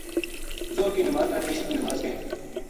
ظہر کی نماز نا پیشی کہ نماز کہیں۔